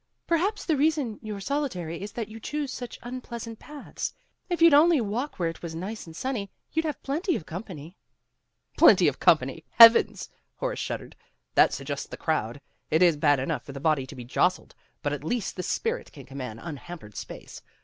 '* Perhaps the reason you 're solitary is that you choose such unpleasant paths. If you'd only walk where it was nice and sunny, you'd have plenty of company. '' ''Plenty of company! Heavens!" Horace shuddered. "That suggests the crowd. It is bad enough for the body to be jostled, but at least the spirit can command unhampered space.